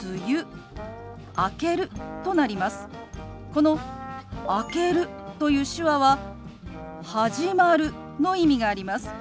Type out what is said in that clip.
この「明ける」という手話は「始まる」の意味があります。